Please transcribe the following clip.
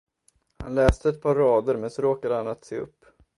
Han läste ett par rader, men så råkade han att se upp.